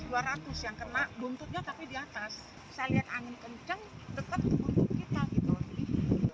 yang kena buntutnya tapi di atas saya lihat angin kencang dekat buntut kita gitu